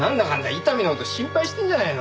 伊丹の事心配してんじゃないの。